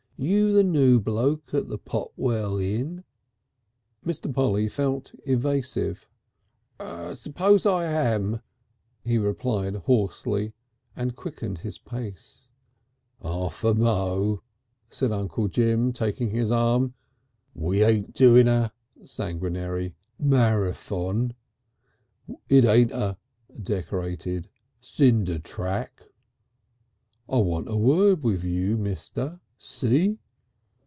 You the noo bloke at the Potwell Inn?" Mr. Polly felt evasive. "'Spose I am," he replied hoarsely, and quickened his pace. "Arf a mo'," said Uncle Jim, taking his arm. "We ain't doing a (sanguinary) Marathon. It ain't a (decorated) cinder track. I want a word with you, mister. See?"